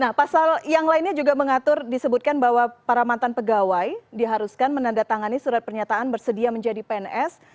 nah pasal yang lainnya juga mengatur disebutkan bahwa para mantan pegawai diharuskan menandatangani surat pernyataan bersedia menjadi pns